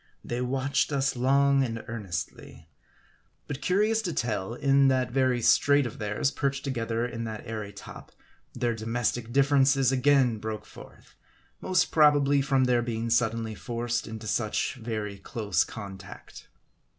They watched us long and earnestly. But curious to tell, in that very strait of theirs, perched together in that airy top, their domestic differences again broke forth ; most probably, from their being suddenly forced into such very close contact.